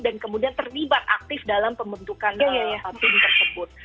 dan kemudian terlibat aktif dalam pembentukan tim tersebut